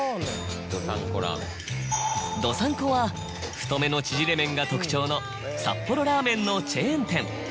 どさん子は太めのちぢれ麺が特徴の札幌ラーメンのチェーン店。